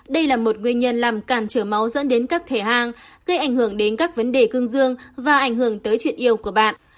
đây là một nguyên nhân làm cản trở máu dẫn đến các thể hàng gây ảnh hưởng đến các vấn đề cương dương và ảnh hưởng tới chuyện yêu của bạn